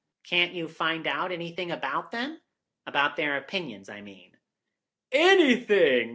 "Can't you find out anything about them? About their opinions, I mean." "Anything?